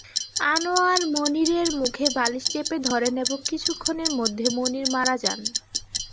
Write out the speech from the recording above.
আনোয়ার মনিরের মুখে বালিশ চেপে ধরেন এবং কিছুক্ষণের মধ্যে মনির মারা যান।